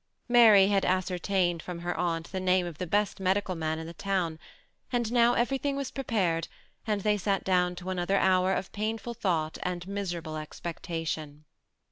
Mary had ascertained from her aunt the name of the best medical man in the town ; and now everything was prepared, and they sat down to another hour of painM thought and miserable expectation.